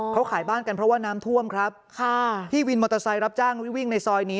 เขาขายบ้านกันเพราะว่าน้ำท่วมครับค่ะพี่วินมอเตอร์ไซค์รับจ้างวิ่งในซอยนี้